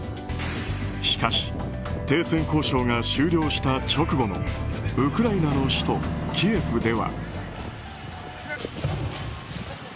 しかし、停戦交渉が終了した直後のウクライナの首都キエフでは。